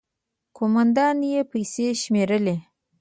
، کومندان يې پيسې شمېرلې.